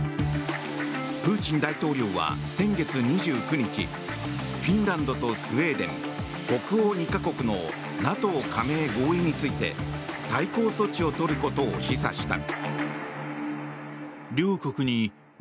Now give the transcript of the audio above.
プーチン大統領は先月２９日フィンランドとスウェーデン北欧２か国のＮＡＴＯ加盟合意について対抗措置を取ることを示唆した。